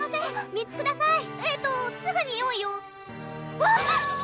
３つください・えーっとすぐに用意をわぁ！